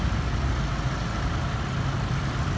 พร้อมต่ำยาว